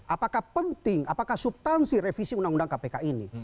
apakah penting apakah subtansi revisi undang undang kpk ini